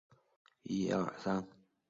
布利机场在布利湾以北。